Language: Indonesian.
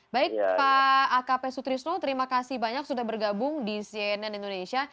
baik pak akp sutrisno terima kasih banyak sudah bergabung di cnn indonesia